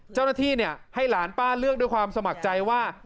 เจ้าหน้าที่ให้หลานป้าเลือกด้วยความสมัครใจว่า